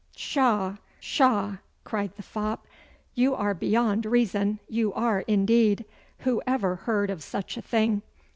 'Pshaw, pshaw!' cried the fop, 'you are beyond reason, you are indeed! Who ever heard of such a thing?